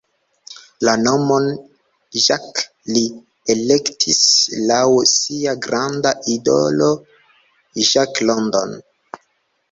La nomon "Jack" li elektis laŭ sia granda idolo Jack London.